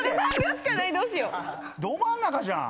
ど真ん中じゃん。